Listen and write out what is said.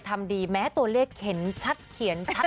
ทำดีแม้ตัวเลขเห็นชัดเขียนชัด